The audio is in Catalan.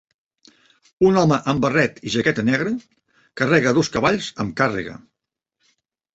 un home amb barret i jaqueta negra carrega dos cavalls amb càrrega.